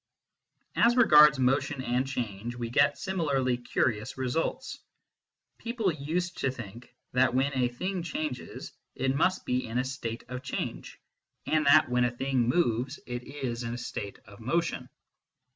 .... As regards motion and change, we get similarly curious results. People used to think that when a thing changes, it must be in a state of change, and that when a thing 84 MYSTICISM AND LOGIC moves, it is in a state of motion.